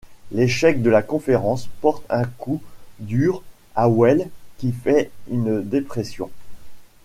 L'échec de la conférence porte un coup dur à Wells, qui fait une dépression.